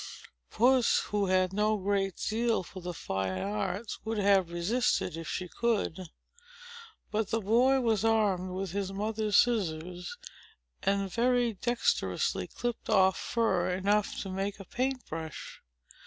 Puss, who had no great zeal for the fine arts, would have resisted if she could; but the boy was armed with his mother's scissors, and very dexterously clipped off fur enough to make a paint brush.